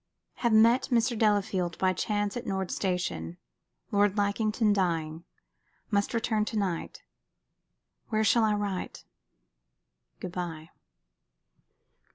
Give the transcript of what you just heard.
"Have met Mr. Delafield by chance at Nord Station. Lord Lackington dying. Must return to night. Where shall I write? Good bye."